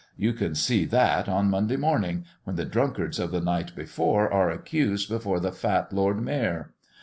You can see that on Monday morning, when the drunkards of the night before are accused before the fat Lord Mayor.